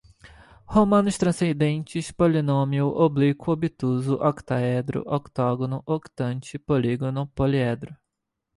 romanos, transcendentes, polinômio, oblíqua, obtuso, octaedro, octógono, octante, polígino, poliedro